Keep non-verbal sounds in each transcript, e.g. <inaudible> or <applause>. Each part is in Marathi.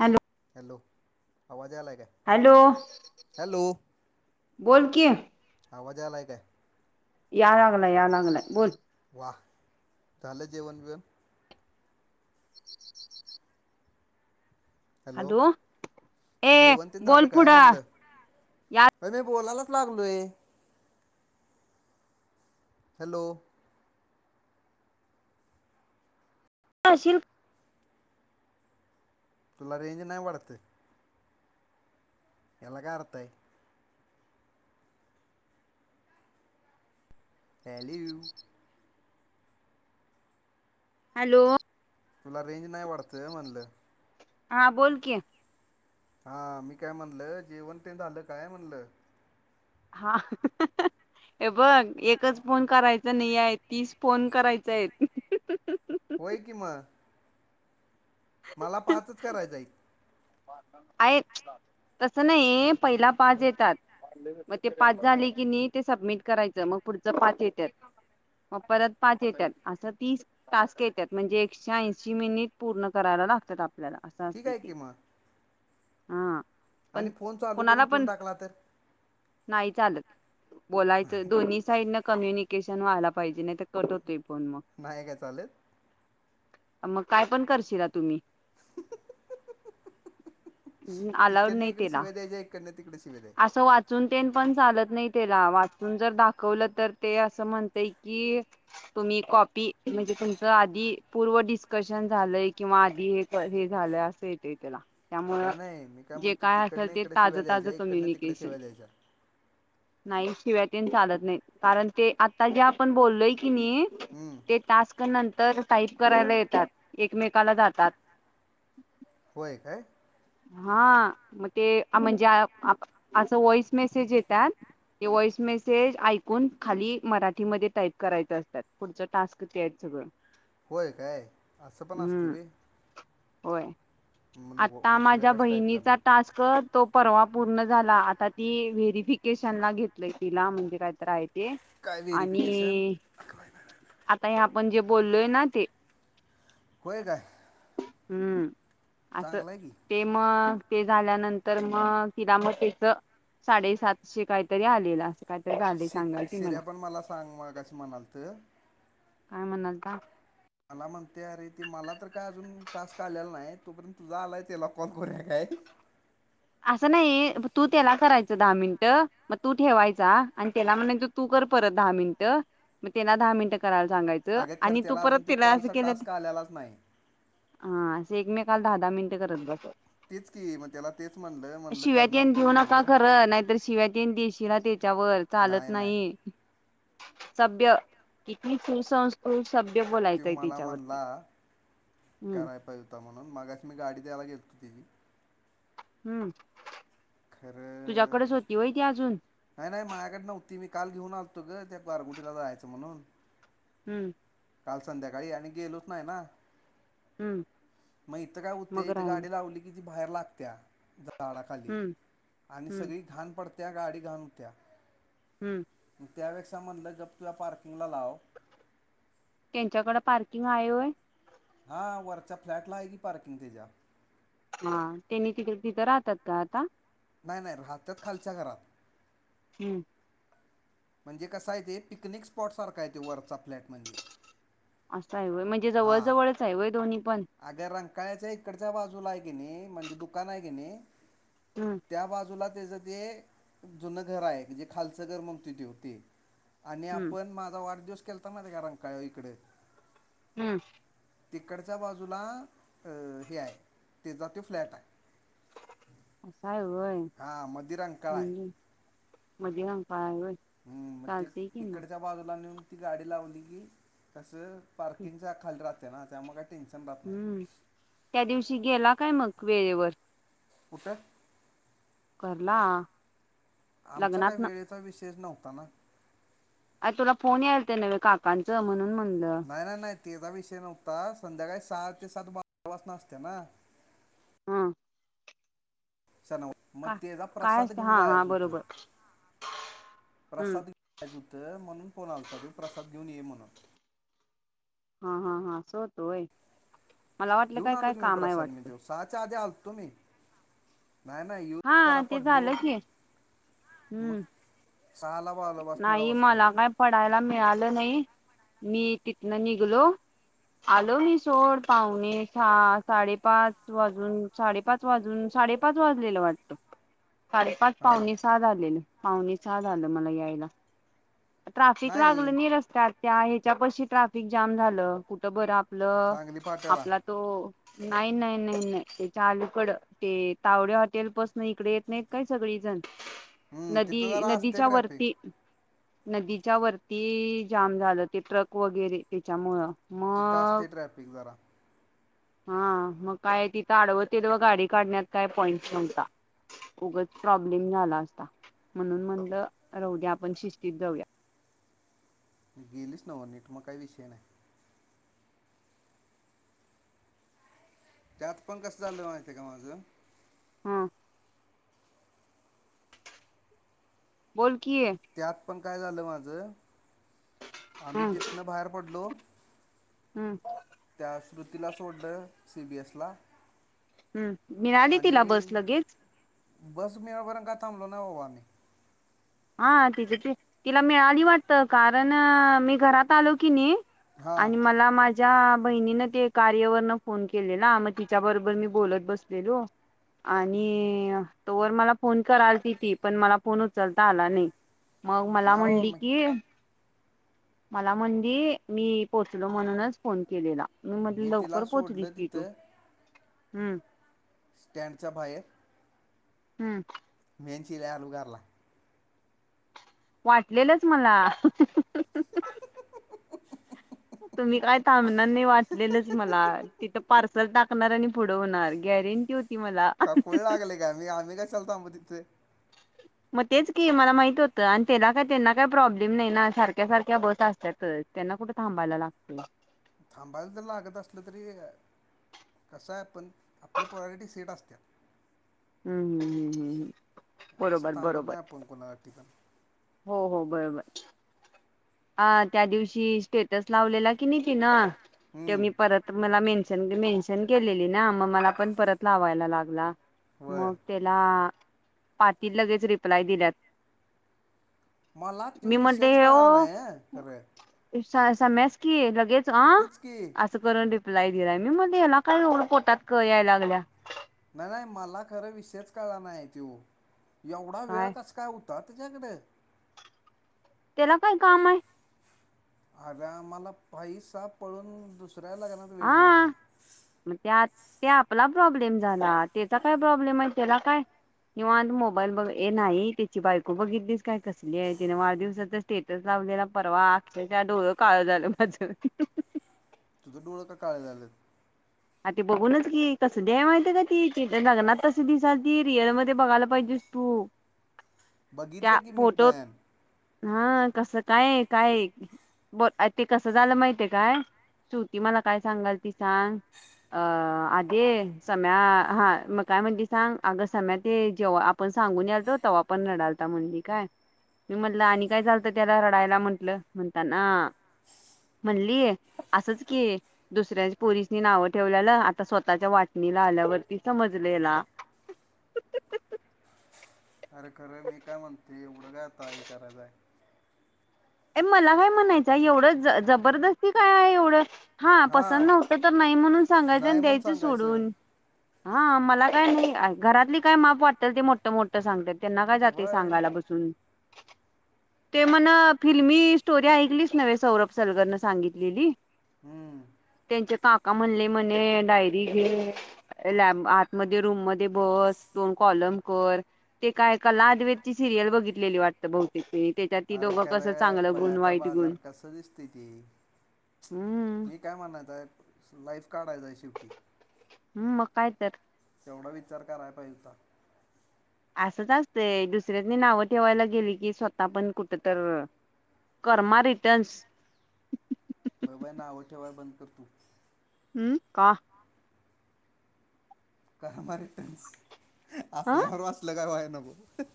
हॅलो! हॅलो आवाज. यायलाय काय हॅलो हॅलो बोल की आवाजालाय काय? या लागलाय या लागलाय बोल. वा झाल जेवण तुझ. हॅलो ए बोल पुढ. अ मी बोलायलाच लागलोय? हॅलो. शील. तुला रेंज नाही वाढत? हेला काय अर्थ आहे. पलीव्यू हॅलो. तुला रेंज नाही वाढतंय म्हणलं. हा बोल कि हा मी काय म्हणल जेवण ते झालं काय म्हणल. हा. हे बघ एकच फोन करायचा नाही आहे तीस फोन करायचा आहेत. होय कम. मला पाचच करायचं एक. तस ना हे पहिला पाज येतात. मग ते पाच झाले की नाही ते सबमिट करायचं मग पुढच पाच येतात. परत पाच येतात असं तीस टास्क येतात म्हणजे एकशे ऐशी मिनिट पूर्ण करायला गतात आपल्याला असं ठीक असते आहे की मग हा. आणि फोन चालू करून कोणाला ठेवून पण टाकला तर नाही चालत बोलायचं दोन्ही साईड न कम्युनिकेशन व्हाला पाहिजे नाही तर क नाही काय चालेत. मग काय पण करशरा तुम्ही अलाउड तिकडनं नाही इकडे त्याला शिव्या द्यायच्या इकडनं तिकडे शिव्या द्यायच्या असं वाचून ते पण चालत. त्याला वाचून जर दाखवलं तर ते असं म्हणत की तुम्ही कॉपी म्हणजे तुमचं आधी पूर्व डिस्कशन झालंय किंवा आधी हे हे झालंय असं येतेय त्याला त्यामुळं नाही नाही मी काय म्हण जे तिकडने असेल ते इकडे शिवाय ताजं ताजं द्यायच्या इकडन तिकडे कम्युनिकेशन शिवा्या द्यायच्या. नाही शिवाय त चालत नाही कारण ते आता जे आपण बोललोय. हम्म ते टास्क नंतर टाईप. करायला येतात एकमेकाला जातात. होय काय? हा मग ते म्हणजे असं वॉइस मेसेज येतात. ते वॉइस मेसेज ऐकून खाली मराठीमध्ये टाईप करायच असतात पुढचं टास्क ते आहेत सगळं. होय काय असं पण असते हम्म बी होय आता शिव्या माझ्या कशा टाईप बहिणीचा करणार टास्क तो परवा. पूर्ण झाला आता ती व्हेरिफिकेशन ला घेतलय तिला म्हणजे काय तरय. काय व्हेरिफिकेशन आणि आता या. म्हणजे बोललोय ना ते बय काय? हम्म असं चांगलं आहे की ते मग. ते झाल्यानंतर मग तिला मग त्याच साडेसातशे काहीतरी आलेलं असेल. शि शिऱ्या पण मला सांग म कशी म्हणाल तर काय म्ह नजदा. मला म्हणते अरे ते मला तर काय अजून टास्क आलेला नाही, तोपर्यंत तुझा आलाय त्याला कॉल करूया काय? <inaudible> असं नाही, तू त्याला करायचं दहा मिनिटं, मग तू ठेवायचा आणि त्याला म्हणायचं तू कर परत दहा मिनटं, मग त्यानं दहा मिनटं कराय सांगायचं अगं खरं आणि तू त्याला अजून परत तो तिला असं कॉलचा केलं टास्क आलेलाच नाही हा, असं एकमेकाला दहा दहा मिनिटं करत बसा तीच की, मग त्याला तेच म्हणलं म्हणलं शिव्या करणार तेन देऊ तुम्ही नका म्हणलं खरं, नाहीतर शिव्या तेन देशीला त्याच्यावर चालत नाही. <unintelligible> सभ्य किती सुसंस्कृ त्यो मला म्हणला, हम्म कराय पाहिजे होता म्हणून, मगाशी मी गाडी द्यायला गेलतो ते. हम्म. तुझ्याकडेच खरं, होती वय ती अजून नाही नाही माझ्याकडं नव्हती मी काल घेऊन आलतो गं त्या गारगुटीला जायाचं म्हणून. हम्म. काल संध्याकाळी आणि गेलोच नाही ना. हम्म. मग इथं काय होतंय, मग इथं राहील गाडी लावली की ती बाहेर लागत्या. झाडाखाली हम्म आणि हम्म सगळी घाण पडत्या गाडी घाण होत्या. हम्म. मग त्यापेक्षा म्हणलं गप तुझ्या पार्किंगला लाव. त्यांच्याकडं पार्किंग हाय होय? हा, वरच्या फ्लॅटला हाय की पार्किंग त्याच्या. हा, त्यांनी तिक तिथं राहतात का आता? नाही नाही, राहतात खालच्या घरात. हम्म. म्हणजे कसंय ते, पिकनिक स्पॉट सारखा हाय ते वरचा फ्लॅट म्हणजे. असं आहे होय? म्हणजे जवळ हां जवळच आहे होय दोन्ही पण? अगं रंकाळ्याच्या इकडच्या बाजूला आहे की नाही, म्हणजे दुकान आहे की नाही? हम्म त्याबाजूला त्याचं ते जुनं घर हाय, जे खालचं घर म्हणतो त्यो ते. आणि हम्म आपण माझा वाढदिवस केलता माहितीये का रंकाळ्याव इकडं? हम्म! तिकडच्या बाजूला, हे आहे. त्याचा तो फ्लॅट आहे. अस हाय होय? हां मध्ये रंकाळा आहे म्हणजे मध्ये गं. हम्, मग ते इकडच्या बाजूला नेऊन ती गाडी लावली की, तसं पार्किंगच्या खाली राहतें ना. त्यामुळे टेन्शन राहत नाही हम्म, त्या दिवशी गेला काय मग वेळेवर? कुठं? घरला. आमचा, काही लग्नात न वेळेचा विषयच नव्हता ना? अरे, तुला फोन यायलते नव्हे, काकांचं? म्हणून. म्हणलं नाही. नाही. नाही. तेचा विषय नव्हता, संध्याकाळी सहा ते सात. बारा वाजता असतोय ना. हा. तसं नव्हे, मग तेचा काय प्रसाद असते घेऊन हा हा जायचं होतं. बरोबर हम्म प्रसाद घ्यायचा होतं, म्हणून फोन आलता, तो प्रसाद घेऊन ये म्हणून. हा. हा. हा. असं होतं होय. मला वाटलं घेऊन काय आलो काय की मी काम आहे प्रसाद. मी, वाटतं सहाच्या आधी आलतो मी. नाही-नाही, येऊन हा जरा ते पडलो. झालं की मग हम्म, सहाला बाला बसण्याला नाही बसलो मला काय पडायला मिळाले आलं नाही, मी तिथनं निघलो. आलो मी सोड, पाहुणे सहा-साडेपाच वाजून, साडेपाच वाजून साडेपाच वाजले. लेलं वाटतं, हां साडेपाच-पावणेसहा झालेले, पावणेसहा झालेल मला यायला. ट्राफिक लागलं नाही रस्त्यात. त्या ह्याच्या पाशी ट्राफिक जाम झालं, कुठं बरं? आपलं, सांगली फाट्याला आपला तो नाही. नाही. नाही. नाही. त्याच्या अलीकडं, ते तावडे हॉटेल पासून, इकडे येत नाहीत काय सगळीजण? हम्म, नदी, तिथं जरा असते नदीच्या ट्रॅफिक वरती. नदीच्या वरती, जाम झालं ते ट्रक वगैरे, त्याच्यामुळं. तिथं मग असतय ट्रॅफिक जरा. हा मग काय तिथं आडव-तीडव गाडी काढण्यात काय पॉइंट्स नव्हता. उगच प्रॉब्लेम झाला असता, म्हणून म्हणलं राहुद्या आपण शिस्तीत जाऊया. गेलीस नव्ह नीट मग, काही विषय नाही. त्यात पण कसं झालं माहिती आहे का माझं? हा. बोल. की त्यात पण काय झालं माझं? आम्ही हम्म तिथनं बाहेर पडलो. हम्म. त्या स्मृतीला सोडलं सी. बी. एस. ला. हं. आणि बस मिळेपर्यंत काय थांबलो नाही बाबा आम्ही. हा तिथ तिला मिळाली वाटतं. कारण मी घरात आलो की नी. हां आणि मला माझे माझ्या बहिणीन ते कार्यवरन फोन केलेला. ना मग तिच्या बरोबर मी बोलत बसलेले. आणि तोवर मला फोन करालती ती. पण मला फोन उचलता उचलता आला नाही. मग मला ना बाबा म्हणली मी की, मला म्हणली मी पोहोचले म्हणूनच फोन केलेला. मी म्हणल तिला लवकर पोहचलीस सोडलं कि तू. तिथं हं. स्टँडच्या बाहेर. हं. मी आणि चिल्या आलो घरला. वाटलेलच मला. <inaudible> तुम्ही काय थांबणार नाही. वाटलेलंच मला. तिथं पार्सल टाकणार आणि पुढ होणार गॅरेंटी होती. मला का खुळ लागलेय काय आम्ही-आम्ही कशाला थांबु तिथे. मग तेच की मला माहित होतं. आणि त्यांना काय त्यांना काय प्रॉब्लेम नाही ना. सारख्या-सारख्या बस असत्यातच. कुठे थांबायला लागतय. थांबायला जर लागत असलं तरी. कसं आहे पण आपल्या प्रायोरिटीज सेट असत्यात. हं. हं. हं. हं. हं. असं थांबत नाही आपण कोणा साठी पण. हो. हो. बरोबर. आ त्या दिवशी स्टेटस लावलेला की नी तिन. ते मी परत मला मेंन मेन्शन केलेली ना. मग मला पण परत लावायला लागला. वय मग त्याला पाटिल लगेच रिप्लाय दिल्यात. मला तो मी विषयच कळला नाही. खरंय. स सम्यास की लगेच अ की असं करून रिप रिप्लाय दिलाय. मी म्हणलं ह्याला काय एवढं पोटात कळ याय लागलाय. नाही-नाही मला खरं विषयच कळला नाही तो. एवढा वेळ कस काय उ? जा तिझ्याकड त्याला काय काम आय. अगं आमाला पैसा पळून दुस् हा मग त्या त्या आपला प्रॉब्लेम झाला त्याचा काय प्रॉब्लेम आहे. त्याला काय निवांत मोबाईल बघ.. ये नाही त्याची बायको बघितलीस काय कसली आहे? तिने वाढदिवसाचा स्टेटस ला दिला परवा अक्षरशः डोळं काळ झालं माझ तुझं डोळं का काळं झालं? आ बघूनच की कसली आहे माहिती का ती? ती लग्नात तस दिसालती रिअल मध्ये बघायला पाहिजेस तू त्या बघितलं की मी फोटोत पण हा कसं काय काय बोल ते कसं झालं माहिती आहे काय श्रुती मला काय सांगालती सांग अ आधे सम्या हा मग काय म्हणली सांग आग सम्या ते जेवा आप पण सांगून यालतो तवा पण रढालता म्हणली काय मी म्हणलं आणि काय झालतं त्याला रडायला म्हटलं म्हणताना म्हणली असंच की दुसऱ्याच्या पोरसनी नाव ठेवल्याल आता स्वतःच्या वाटणीला आल्यावरती समजलं हेला <inaudible> अरे खरं मी काय म्हणतुय एवढं काय आता ही करायचाय ये मला काय म्हणायचं एवढं ज जबरदस्ती काय आहे एवढं हा पसंद नव्हत तर नाही म्हणून सांगायचं नाही आणि म्हणून द्यायचं सांगायचं सोडून हा मला काय नाही घरातली काय माप वाटल ते मोठं मोठं सांगत्यात त्यांना काय जातय वय सांगायला बसून ते म्हण फिल्मी स्टोरी ऐकलीच नव्हे. सौरभ सलगरन सांगितलेली. हम्म त्यांचे काप का म्हणले म्हणे डायरी घे. लॅब आतमध्ये रूम मध्ये बस. दोन कॉल कर ते काय कला आदवेदची सिरियल बघितलेली वाटत. बहुतेक त्यांनी त्याच्यात ती दोघं कस खोळ्याचा बाजार कस दिसतय ते. हम्म मी काय म्हणत आहे. लाईफ काडायच आहे शेवटी. हम्म मग काय तर. तेवढा विचार कराया पाहिजे होता. असंच असतय दुसऱ्यासनी नाव ठेवायला गेली कि स्वतः पण कुठ तर कर्मा रिटर्न्स बर बाई नाव ठेवाया बंद कर तू हम्म का काय माहितेस ह आपल्यावर असलं काही व्हायला नको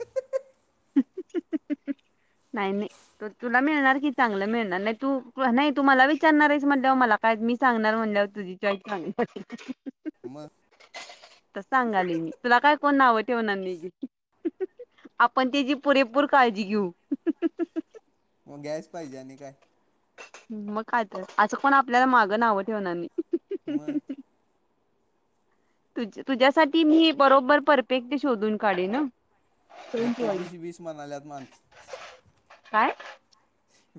नाही-नाही. तुला मिळणार की चांगलं मिळणार. नाही तू नाही तु मला विचारणार आहेस. म्हणल्यावर मला काय आज मी सांगणार म्हणल्यावर तुझी चॉईस चांगली पटली. मग तर सांगालोय मी तुला काय कोण नाव ठेवणार नाही. आपण त्याची पुरेपूर काळजी घेऊ मग गॅस पाहिजे आणि काय ह. मग काय तर. असं काय कोण आपल्याला मागं नावं ठेवणार नाही. मग तु तुझ्यासाठी मी बरोबर परफेक्टली शोधून काढेन अ इथ वीस-वीस म्हणाल्यात माणस काय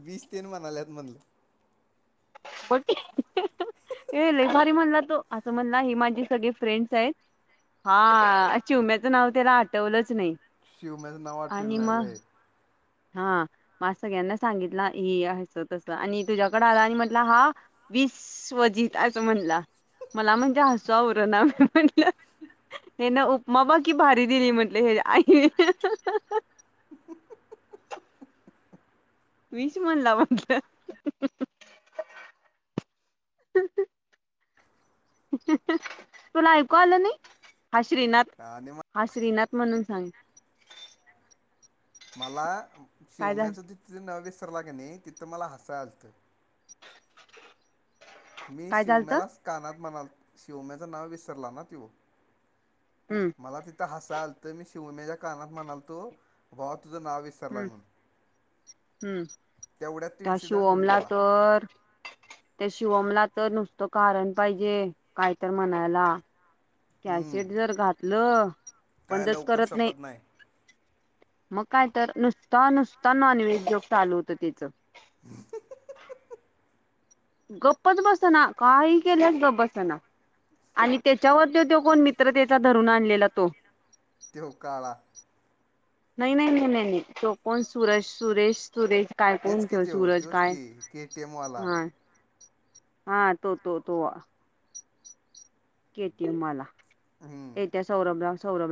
वीस तेन म्हणाल्यात म्हणलं पट ये लय भारी म्हणला तो, असं म्हणला हे माझे सगळे फ्रेंड्स आहेत. हा, चुम्याचं नाव त्याला आठवलंच नाही. शिवम्याचं नाव आठविल आणि नाय मग व्हय हा म आज सगळ्यांना सांगितलं ही अस तस आणि तुझ्याकड आला आणि म्हटला हा वीस स्वजित असं म्हणला मला म्हणजे हसू आवर ना मी म्हटलं हे ना उपमा बघ की भारी दिली म्हंटले हेज्या आई <unintelligible> विष म्हणला म्हटलं <unintelligible> तुला ऐकू आलं नई हाश श्रीनाथ आणि मग हा श्रीनाथ म्हणून सांग. मला काय झा शिवम्याचं ति त तिथ नाव विसरला की नाही तिथं मला हसाया आलतं. मी काय झालत शिवम्यालाच कानात म्हणाल शिवम्याचं नाव विसरला ना त्यो हम्म मला तिथं हसाय आलत. मी शिवन्याच्या कानात म्हणाल तो ह्यो तुझं नाव विसरलाय म्हणुन हम् त्या इन्सिडंट होऊन शिवमला गेला तर त्या शिवमला तर नुसतं कारण पाहिजे काय तर म्हणायला हम्म कॅसेट जर घातलं. काय बंदच लवकर करत नाही सपत नाय. मग काय तर नुसता नुसता नॉन व्हेज जोक चालू होत त्येच <unintelligible> गप्पच बसना काही केल्यास गप् बसना. आणि त्याच्यावर त त्यो कोण मित्र तेचा धरून आणलेला तो त्यो काळा नाही नाही नाय नाय नाय तो कोण सुरज सुरेश सुरेश काय तेच कोणत की तो त्यो सूरज त्योच काय की केटीएमवाला हा हा तो तो तो केती मला हम्म येत्या सौरभला सौरभ